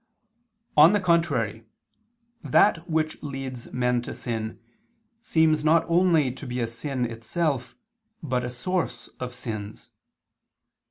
On the contrary, That which leads men to sin, seems not only to be a sin itself, but a source of sins.